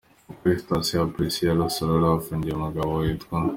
Kuri sitasiyo ya Polisi ya Rusororo hafungiwe umugabo witwa.